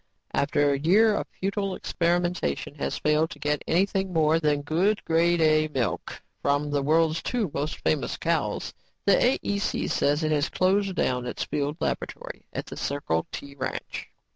"After a year of futile experimentation has failed to get anything more than good, Grade A milk from the world's two most famous cows, the AEC says it has closed down its field laboratory at the Circle T ranch."